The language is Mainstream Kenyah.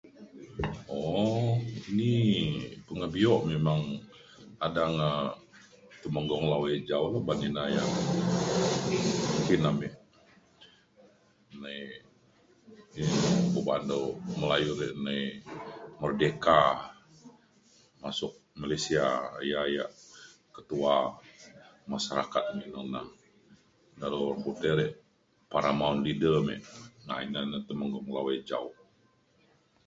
um ni pengebio' memang kadang ya temenggung lawai jau ban ina ya' engkin amik nai kuk ba'an dau melayu nai merdeka masuk malaysia ya ya' ketua masyarakat [unintelligible] dalau orang putih dik [unintelligible] leader mik ina natemenggung lawai jau